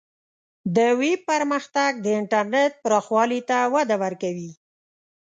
د ویب پرمختګ د انټرنیټ پراخوالی ته وده ورکوي.